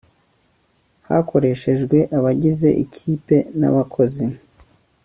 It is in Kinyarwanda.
hakoreshejwe abagize ikipe n abakozi